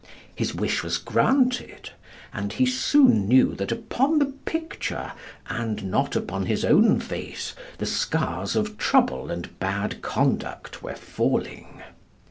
His wish was granted, and he soon knew that upon the picture and not upon his own face the scars of trouble and bad conduct were falling.